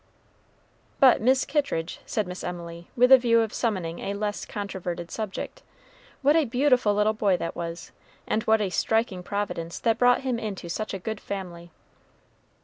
"But, Mis' Kittridge," said Miss Emily, with a view of summoning a less controverted subject, "what a beautiful little boy that was, and what a striking providence that brought him into such a good family!"